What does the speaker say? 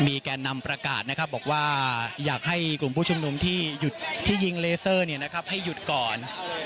แก่นำประกาศนะครับบอกว่าอยากให้กลุ่มผู้ชุมนุมที่หยุดที่ยิงเลเซอร์ให้หยุดก่อน